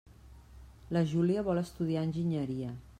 La Júlia vol estudiar enginyeria.